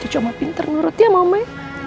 coba pinter nurut ya mama